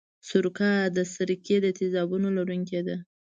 سرکه د سرکې د تیزابو لرونکې ده.